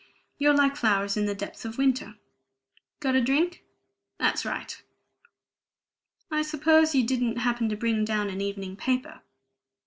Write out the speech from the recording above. You're like flowers in the depths of winter. Got a drink? That's right! I suppose you didn't happen to bring down an evening paper?"